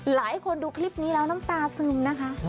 หลายคนดูคลิปนี้แล้วน้ำตาซึมนะคะ